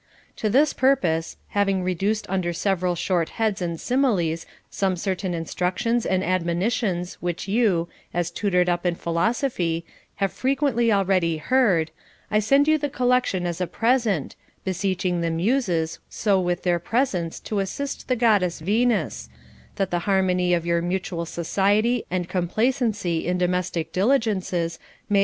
To this purpose, having reduced under several short heads and similes some certain instruc tions and admonitions which you, as tutored up in philoso phy, have frequently already heard, I send you the collection as a present, beseeching the Muses so with their presence to assist the Goddess Venus, that the harmony of your mutual society and complacency in domestic diligences may CONJUGAL PRECEPTS.